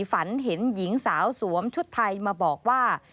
ฝันเห็นหญิงสาวสวมชุดไทยมาบอกว่า